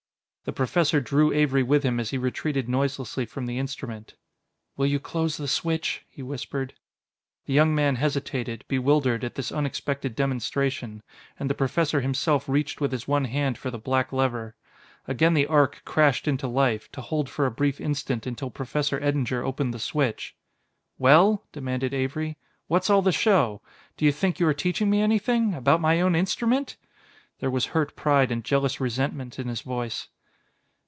The Professor drew Avery with him as he retreated noiselessly from the instrument. "Will you close the switch," he whispered. The young man hesitated, bewildered, at this unexpected demonstration, and the Professor himself reached with his one hand for the black lever. Again the arc crashed into life, to hold for a brief instant until Professor Eddinger opened the switch. "Well," demanded Avery, "what's all the show? Do you think you are teaching me anything about my own instrument?" There was hurt pride and jealous resentment in his voice.